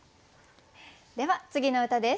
では次の歌です。